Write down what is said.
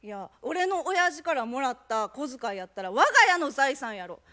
「俺のおやじからもらった小遣いやったら我が家の財産やろ。